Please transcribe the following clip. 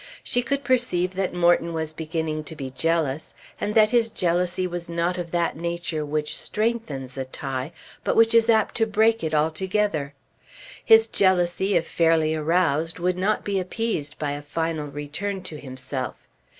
She could perceive that Morton was beginning to be jealous, and that his jealousy was not of that nature which strengthens a tie but which is apt to break it altogether. His jealousy, if fairly aroused, would not be appeased by a final return to himself.